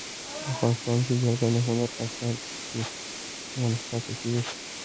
افغانستان کې جلګه د هنر په اثار کې منعکس کېږي.